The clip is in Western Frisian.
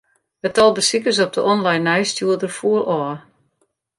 It tal besikers op de online nijsstjoerder foel ôf.